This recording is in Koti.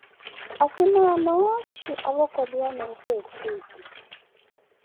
Asimaana ooxhi avokoliwa nyuupa ethiiti.